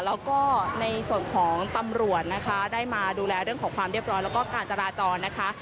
แล้วก็ในส่วนของตำรวจนะคะได้มาดูแลเรื่องของความเรียบร้อยแล้วก็การจราจรนะคะ